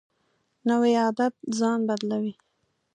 نوی عادت ځان بدلوي